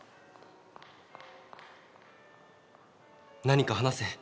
何か話せ。